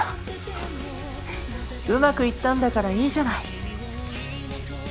ふふっうまくいったんだからいいじゃない。